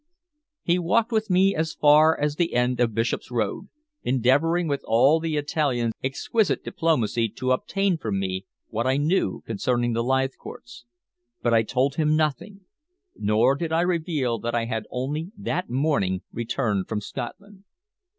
He walked with me as far as the end of Bishop's Road, endeavoring with all the Italian's exquisite diplomacy to obtain from me what I knew concerning the Leithcourts. But I told him nothing, nor did I reveal that I had only that morning returned from Scotland.